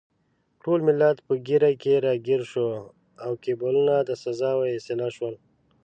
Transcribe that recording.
ټول ملت په ږیره کې راګیر شو او کیبلونه د سزا وسیله شول.